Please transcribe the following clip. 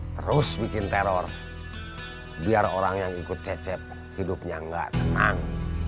terus bikin teror biar orang yang ikut cecep hidupnya nggak tenang